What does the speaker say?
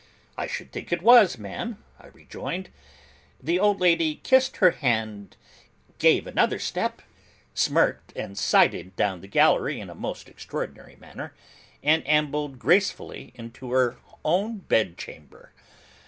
'I should think it was, ma'am,' I rejoined. The old lady kissed her hand, gave another skip, smirked and sidled down the gallery in a most extraordinary manner, and ambled gracefully into her own bed chamber.